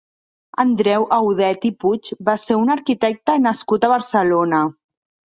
Andreu Audet i Puig va ser un arquitecte nascut a Barcelona.